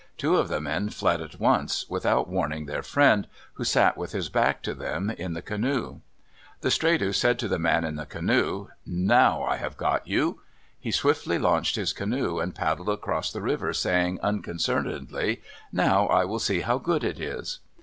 Two of the men fled at once, without warning their friend, who sat with his back to them in the canoe. The Stredu said to the man in the canoe, "Now I have got you!" He swiftly launched his canoe, and paddled across the river, saying unconcernedly, "Now I will see how good it is."